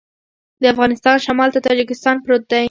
د افغانستان شمال ته تاجکستان پروت دی